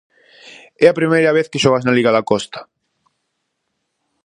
É a primeira vez que xogas na liga da Costa.